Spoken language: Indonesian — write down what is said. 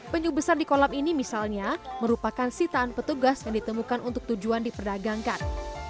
penyu besar di kolam ini misalnya merupakan sitaan petugas yang ditemukan untuk tujuan diperdagangkan